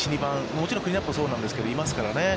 もちろんクリーンナップもそうなんですけどいますからね。